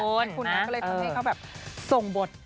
ก็เลยเขาส่งบท